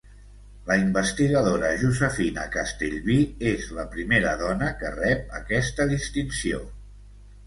La investigadora Josefina Castellví és la primera dona que rep aquesta distinció.